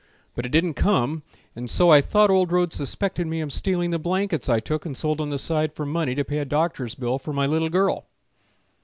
But it didn't come, and so I thought Old Rhodes suspected me of stealing The blankets I took and sold on the side For money to pay a doctor's bill for my little girl.